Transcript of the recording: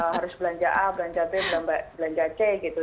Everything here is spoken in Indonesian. harus belanja a belanja b belanja c gitu